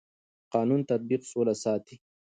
د قانون تطبیق سوله ساتي